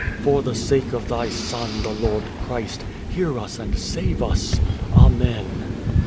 For the sake of Thy Son, the Lord Christ, hear us and save us. Amen."